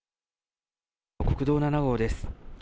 国道７号です。